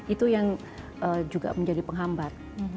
itu yang juga menjadi penghambat